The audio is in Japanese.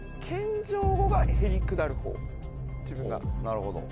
なるほど。